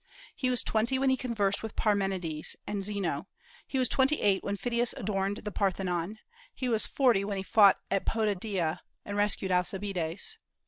He was twenty when he conversed with Parmenides and Zeno; he was twenty eight when Phidias adorned the Parthenon; he was forty when he fought at Potidaea and rescued Alcibiades.